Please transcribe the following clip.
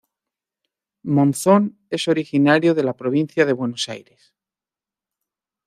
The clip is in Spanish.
Monzón es originario de la Provincia de Buenos Aires.